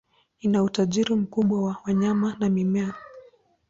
Ina utajiri mkubwa wa wanyama na mimea.